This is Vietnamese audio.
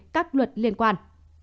các luật liên quan